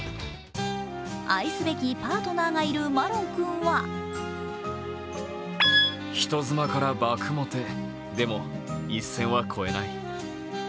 愛すべきパートナーがいるマロン君は人妻から爆モテ、でも一線は越えない。